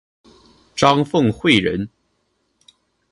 张凤翙人。